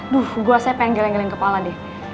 duh gue asalnya pengen geleng geleng kepala deh